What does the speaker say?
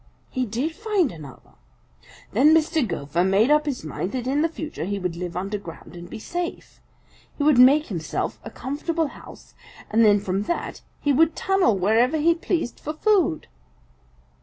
He did find another. Then Mr. Gopher made up his mind that in the future he would live underground and be safe. He would make himself a comfortable house, and then from that he would tunnel wherever he pleased for food.